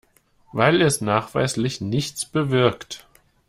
Weil es nachweislich nichts bewirkt.